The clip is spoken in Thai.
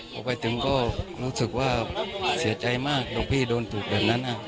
พอไปถึงก็รู้สึกว่าเสียใจมากหลวงพี่โดนถูกแบบนั้น